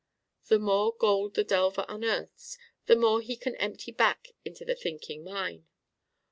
The more gold the delver unearths, the more he can empty back into the thinking mine.